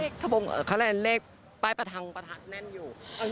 เขาแนะเล่นเลขป้ายประทังแน่นอยู่